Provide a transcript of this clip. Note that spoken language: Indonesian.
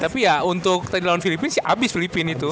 tapi ya untuk tadi lawan filipin sih abis filipin itu